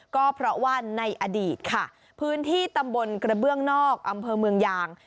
ก็เพราะว่าในอดีตค่ะพื้นที่ตำบลกระเบื้องนอกอำเภอเมืองยาง